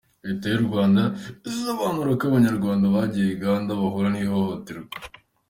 Leta y’u Rwanda isobanura ko Abanyarwanda bagiye Uganda bahura n’ihohoterwa.